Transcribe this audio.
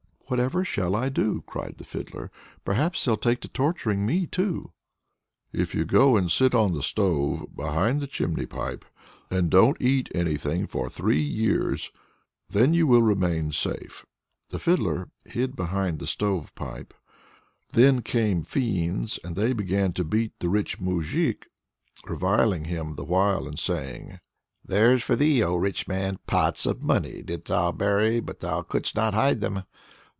"Whatever shall I do?" cried the Fiddler. "Perhaps they'll take to torturing me too!" "If you go and sit on the stove behind the chimney pipe, and don't eat anything for three years then you will remain safe." The Fiddler hid behind the stove pipe. Then came fiends, and they began to beat the rich moujik, reviling him the while, and saying: "There's for thee, O rich man. Pots of money didst thou bury but thou couldst not hide them.